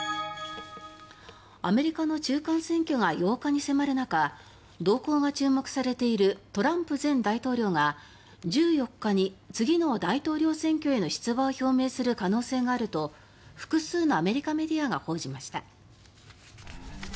アメリカの中間選挙が８日に迫る中動向が注目されているトランプ前大統領が１４日に次の大統領選挙への出馬を表明する可能性があると複数のアメリカメディアが報じました。